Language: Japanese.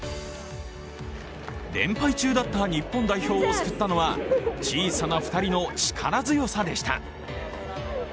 連敗中だった日本代表を救ったのは小さな２人の力強さでした。